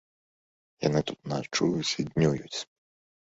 Яны тут начуюць і днююць.